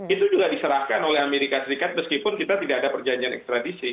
itu juga diserahkan oleh amerika serikat meskipun kita tidak ada perjanjian ekstradisi